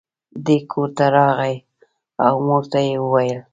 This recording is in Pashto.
دی کور ته راغی او مور ته یې وویل.